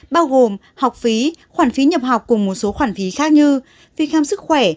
bao gồm học phí khoản phí nhập học cùng một số khoản phí khác như phí khám sức khỏe